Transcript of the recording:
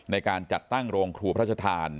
ในการจัดตั้งโรงครัวพระชธาน